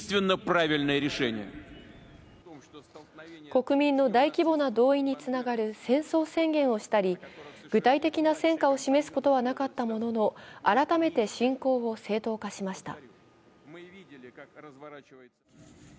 国民の大規模な動員につながる戦争宣言をしたり具体的な戦果を示すことはなかったものの、改めて侵攻を正当化しました。